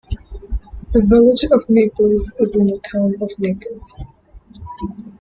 The Village of Naples is in the Town of Naples.